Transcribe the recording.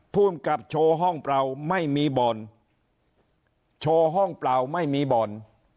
ภูมิกับโชว์ห้องเปล่าไม่มีบ่อนโชว์ห้องเปล่าไม่มีบ่อน